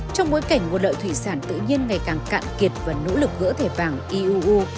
trong bối cảnh nguồn lợi thủy sản tự nhiên ngày càng cạn kiệt và nỗ lực gỡ thẻ vàng iuu